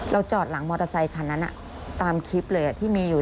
จอดหลังมอเตอร์ไซคันนั้นตามคลิปเลยที่มีอยู่